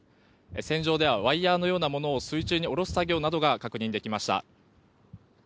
船上ではワイヤのようなものを水中に下ろす作業などが確認できました。